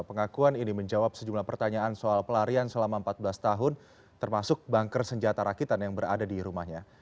pengakuan ini menjawab sejumlah pertanyaan soal pelarian selama empat belas tahun termasuk banker senjata rakitan yang berada di rumahnya